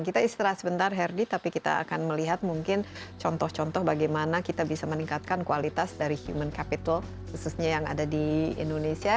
kita istirahat sebentar herdi tapi kita akan melihat mungkin contoh contoh bagaimana kita bisa meningkatkan kualitas dari human capital khususnya yang ada di indonesia